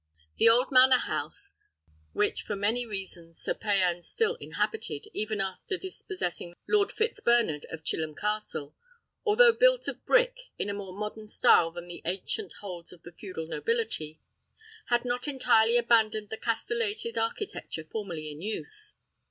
The old manor house which for many reasons Sir Payan still inhabited, even after dispossessing Lord Fitzbernard of Chilham Castle although built of brick, in a more modern style than the ancient holds of the feudal nobility, had not entirely abandoned the castellated architecture formerly in use.